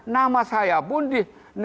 nama saya pun di